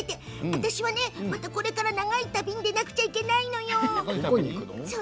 私はねこれからまた長い旅に出なくちゃいけないのよ。